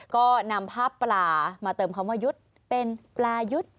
ก็นำผ้าปลามาเติมคำว่ายุทธ์เป็นปลายุทธ์